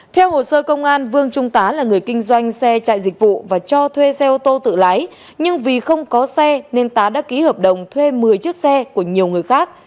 theo hồ sơ công an vương trung tá là người kinh doanh xe chạy dịch vụ và cho thuê xe ô tô tự lái nhưng vì không có xe nên tá đã ký hợp đồng thuê một mươi chiếc xe của nhiều người khác